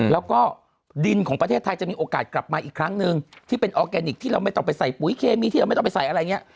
แล้วก็ดินของประเทศไทยจะมีโอกาสกลับมาอีกครั้งนึงที่เป็นออร์แกนิคที่เราไม่ต้องไปใส่ปุ๋ยเคมีที่เราไม่ต้องไปใส่อะไรอย่างนี้